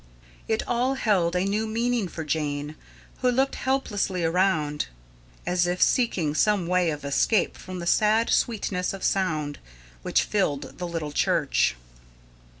It all held a new meaning for Jane, who looked helplessly round, as if seeking some way of escape from the sad sweetness of sound which filled the little church.